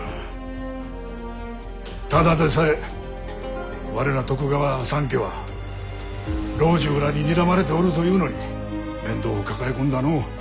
ただでさえ我ら徳川三家は老中らににらまれておるというのに面倒を抱え込んだのう。